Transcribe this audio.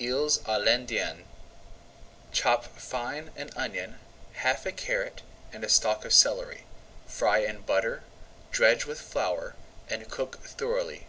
EELS À L'INDIENNE Chop fine an onion, half a carrot, and a stalk of celery. Fry in butter, dredge with flour, and cook thoroughly.